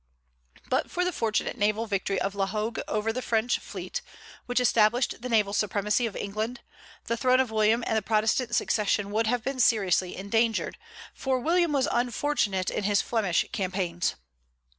But for the fortunate naval victory of La Hogue over the French fleet, which established the naval supremacy of England, the throne of William and the Protestant succession would have been seriously endangered; for William was unfortunate in his Flemish campaigns.